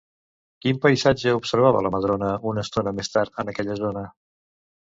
Quin paisatge observava la Madrona una estona més tard en aquella zona?